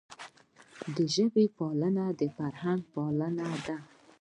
د ژبي پالنه د فرهنګ پالنه ده.